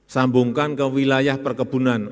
sambungkan ke wilayah perkebunan